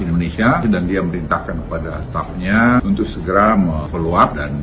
indonesia dan dia merintahkan pada stafnya untuk segera me follow up dan